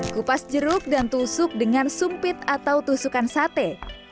kupas jeruk dan tusuk dengan sumpit atau tusukan sate